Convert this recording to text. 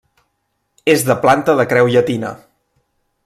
És de planta de creu llatina.